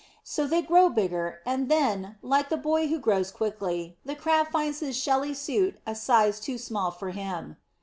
So they grow bigger; and then, like the boy who grows quickly, the Crab finds his shelly suit a size too small for him!